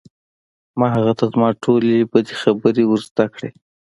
ما هغه ته زما ټولې بدې خبرې ور زده کړې